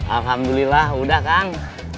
alhamdulillah sudah kang